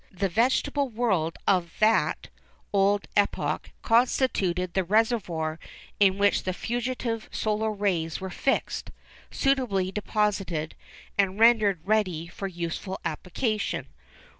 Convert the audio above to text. The vegetable world of that old epoch 'constituted the reservoir in which the fugitive solar rays were fixed, suitably deposited, and rendered ready for useful application.